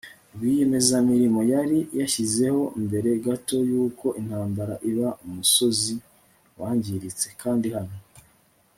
rwiyemezamirimo yari yashyizeho mbere gato yuko intambara iba umusozi wangiritse. kandi hano